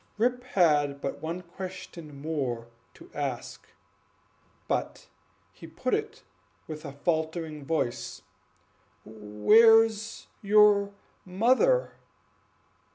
Rip had but one question more to ask; and he put it with a faltering voice: "Where's your mother?"